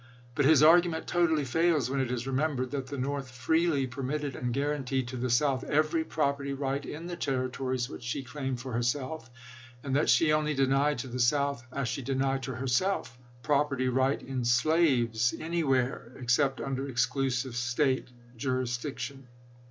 But his argument totally fails when it is remembered that the North freely per mitted and guaranteed to the South every prop erty right in the Territories which she claimed for herself, and that she only denied to the South, as she denied to herself, property right in slaves anywhere except under exclusive State jurisdiction.